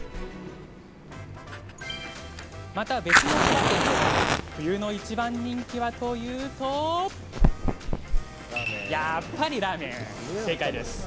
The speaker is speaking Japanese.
また、別のそば店でも冬のいちばん人気はというとやっぱりラーメン。